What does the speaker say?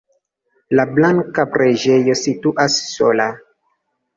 La blanka preĝejo situas sola.